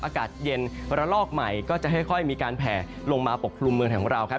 อากาศเย็นระลอกใหม่ก็จะค่อยมีการแผลลงมาปกครุมเมืองไทยของเราครับ